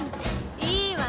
いいわ。